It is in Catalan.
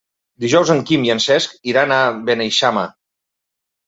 Dijous en Quim i en Cesc iran a Beneixama.